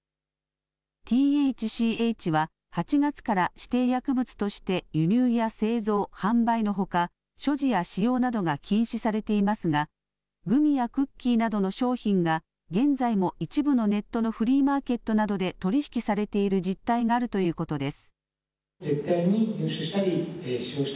ＴＨＣＨは、８月から指定薬物として輸入や製造、販売のほか、所持や使用などが禁止されていますが、グミやクッキーなどの商品が現在も一部のネットのフリーマーケットなどで取り引きされている実態があるということです。